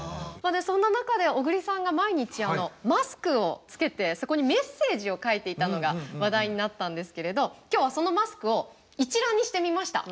そんな中で小栗さんが毎日マスクをつけてそこにメッセージを書いていたのが話題になったんですけれど今日はそのマスクを一覧にしてみました。